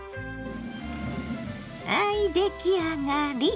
はい出来上がり！